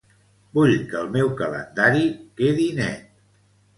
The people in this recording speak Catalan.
Vull que el meu calendari quedi net.